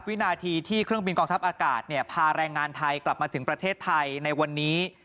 วินาทีที่เครื่องบินกองทัพอากาศพาแรงงานไทยกลับมาถึงประเทศไทยในวันนี้